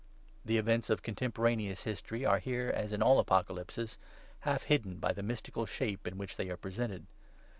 The events of contemporaneous history are here, as in all Apocalypses, half hidden by the mystical shape in which they are presented.